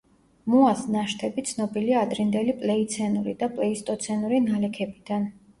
მოას ნაშთები ცნობილია ადრინდელი პლიოცენური და პლეისტოცენური ნალექებიდან.